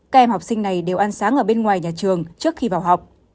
các em học sinh này đều ăn sáng ở bên ngoài nhà trường trước khi vào học